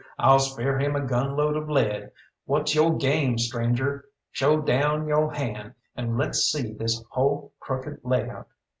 "I'll spare him a gunload of lead! What's yo' game, stranger? Show down yo' hand, and let's see this hull crooked lay out.